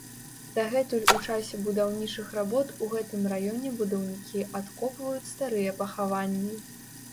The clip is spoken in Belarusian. Дагэтуль у часе будаўнічых работ у гэтым раёне будаўнікі адкопваюць старыя пахаванні.